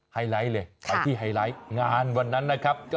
ไฮไลท์เลยไปที่ไฮไลท์งานวันนั้นนะครับ